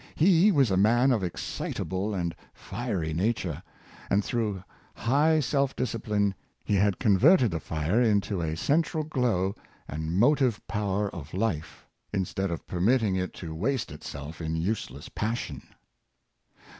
He was a man of excitable and fiery nature; but through high self discipline, he had converted the fire into a central glow and motive power of life, instead of permitting it to waste itself in useless passion."